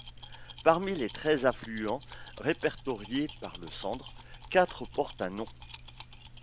Parmi les treize affluents répertoriés par le Sandre, quatre portent un nom.